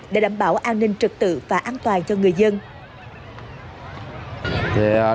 để đảm bảo an ninh trực tự và an toàn cho người dân